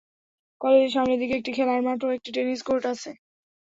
কলেজের সামনের দিকে একটি খেলার মাঠ ও একটি টেনিস কোর্ট আছে।